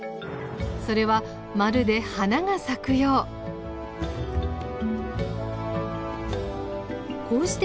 それはまるで花が咲くよう。